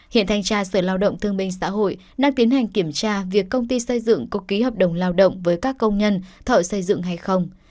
hiện thanh tra sở lao động thương minh xã hội đang tiến hành kiểm tra việc công ty xây dựng có ký hợp đồng lao động với các công nhân thợ xây dựng hay không